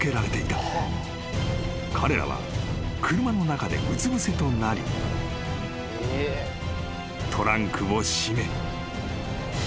［彼らは車の中でうつぶせとなりトランクを閉め］